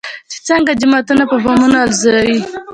چې څنگه جوماتونه په بمانو الوزوي.